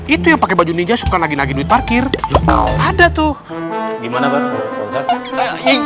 itu yang pakai baju ninja suka nagi nagi duit parkir ada tuh gimana pak ustadz